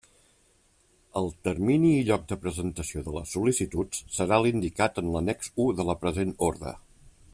El termini i lloc de presentació de les sol·licituds serà l'indicat en l'annex u de la present orde.